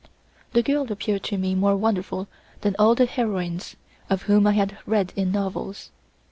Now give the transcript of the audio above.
This girl appeared to me more wonderful than all the heroines of whom I had read in novels.